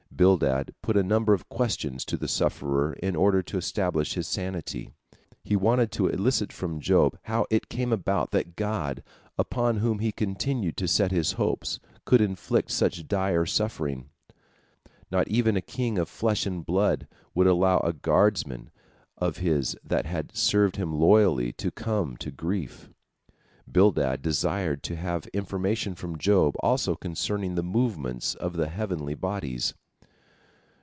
Bildad put a number of questions to the sufferer in order to establish his sanity. He wanted to elicit from Job how it came about that God, upon whom he continued to set his hopes, could inflict such dire suffering. Not even a king of flesh and blood would allow a guardsman of his that had served him loyally to come to grief. Bildad desired to have information from Job also concerning the movements of the heavenly bodies.